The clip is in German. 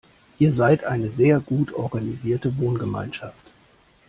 Ihr seid eine sehr gut organisierte Wohngemeinschaft.